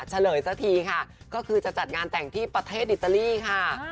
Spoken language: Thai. เฉลยสักทีค่ะก็คือจะจัดงานแต่งที่ประเทศอิตาลีค่ะ